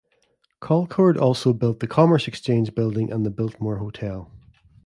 Colcord also built the Commerce Exchange Building and the Biltmore Hotel.